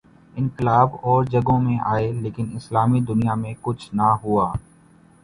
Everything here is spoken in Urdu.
انقلاب اور جگہوں میں آئے لیکن اسلامی دنیا میں کچھ نہ ہوا۔